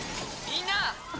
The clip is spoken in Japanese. みんな！